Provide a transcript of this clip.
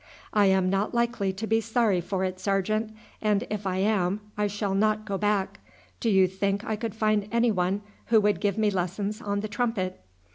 "I am not likely to be sorry for it, sergeant, and if I am I shall not go back. Do you think I could find anyone who would give me lessons on the trumpet?"